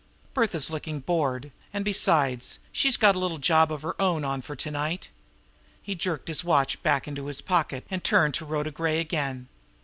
Bertha's looking bored; and, besides, she's got a little job of her own on for to night." He jerked his watch back into his pocket, and turned to Rhoda Gray again.